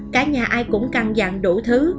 cả nhà ai cũng căng dặn đủ thứ